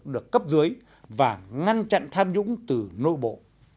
đều được cấp dưới và ngăn chặn tham dũng từ nội bộ